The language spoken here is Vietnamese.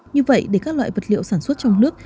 như vậy để các loại vật liệu sản xuất trong nước